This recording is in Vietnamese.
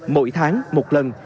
mỗi tháng một lần